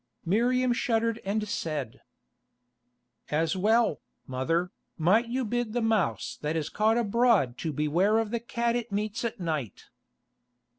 Miriam shuddered and said: "As well, mother, might you bid the mouse that is caught abroad to beware of the cat it meets at night."